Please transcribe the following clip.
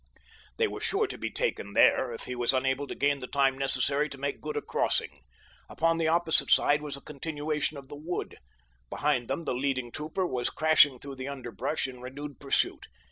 They were sure to be taken there if he was unable to gain the time necessary to make good a crossing. Upon the opposite side was a continuation of the wood. Behind them the leading trooper was crashing through the underbrush in renewed pursuit.